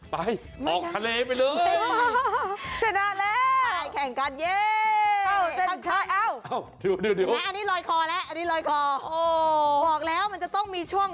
ไปไปไป